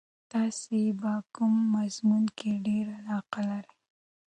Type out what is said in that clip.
تاسې په کوم مضمون کې ډېره علاقه لرئ؟